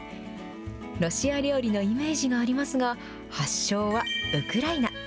ロシア料理のイメージがありますが、発祥はウクライナ。